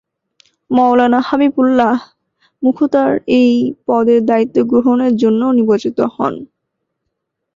মাওলানা হাবিবুল্লাহ মুখতার এই পদের দায়িত্ব গ্রহণের জন্যও নির্বাচিত হন।